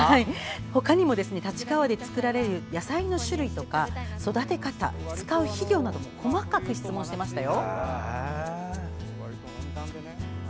ほかにも、立川で作られる野菜の種類とか、育て方使う肥料など細かく質問していましたよ。